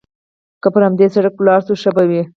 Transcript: که پر همدې سړک ولاړ شو، ښه به وي.